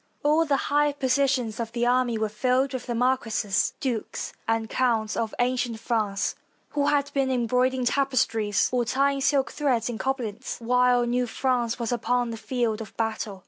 All the higher positions of the army were filled with the marquises, dukes, and counts of ancient France, who had been embroidering tapestries or tying silk threads in Coblentz while new France was upon the field of battle.